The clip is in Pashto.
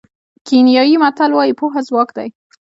کینیايي متل وایي پوهه ځواک دی.